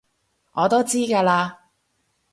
我都知㗎喇